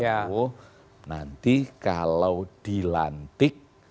jadi kalau nanti kalau dilantik